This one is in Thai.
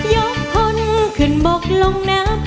ยกพ้นขึ้นบกลงน้ำ